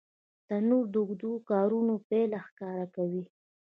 تنور د اوږدو کارونو پایله ښکاره کوي